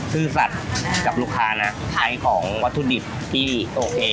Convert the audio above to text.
ซื่อสัตว์กับลูกค้านะใช้ของวัตถุดิบที่โอเค